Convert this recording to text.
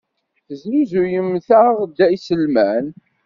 Tesnuzuyemt-aɣ-d iselman.